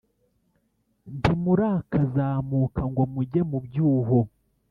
Ntimurakazamuka Ngo Mujye Mu Byuho